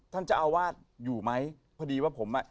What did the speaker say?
ท่านจะเอาวาสอยู่ไหม